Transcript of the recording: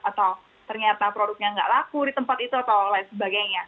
atau ternyata produknya nggak laku di tempat itu atau lain sebagainya